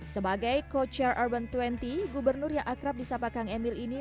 sebagai co chair urban dua puluh gubernur yang akrab di sapa kang emil ini